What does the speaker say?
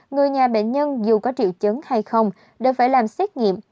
người nhà bệnh nhân dù có triệu chứng hay không đều phải làm xét nghiệm